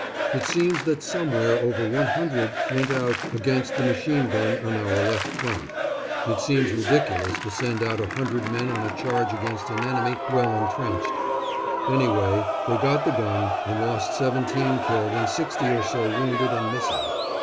It seems that somewhere over one hundred went out against the machine gun on our left front. It seems ridiculous to send out a hundred men on a charge against an enemy well entrenched. Anyway, they got the gun, and lost seventeen killed and sixty or so wounded and missing.